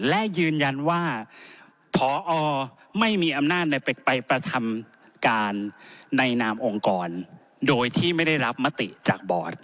และยืนยันว่าพอไม่มีอำนาจไปกระทำการในนามองค์กรโดยที่ไม่ได้รับมติจากบอร์ด